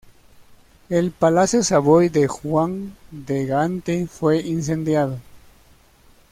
El palacio Savoy de Juan de Gante fue incendiado.